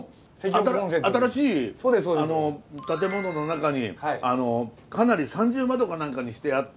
新しい建物の中にかなり３重窓か何かにしてあって。